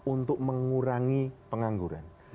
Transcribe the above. untuk mengurangi pengangguran